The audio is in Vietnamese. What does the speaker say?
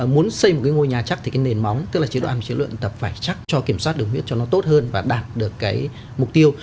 muốn xây một cái ngôi nhà chắc thì cái nền móng tức là chế độ ăn chế luyện tập phải chắc cho kiểm soát đường huyết cho nó tốt hơn và đạt được cái mục tiêu